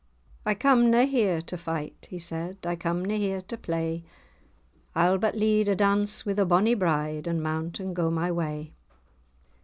"I come na here to fight," he said, "I come na here to play, I'll but lead a dance wi' the bonny bride, And mount, and go my way."